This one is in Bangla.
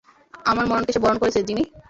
আমার মরণকে সে বরণ করেছে, জিমি।